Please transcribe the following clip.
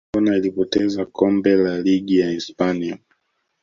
barcelona ilipoteza kombe la ligi ya hispania